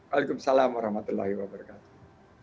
waalaikumsalam warahmatullahi wabarakatuh